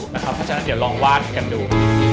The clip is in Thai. เพราะฉะนั้นเดี๋ยวลองวาดกันดู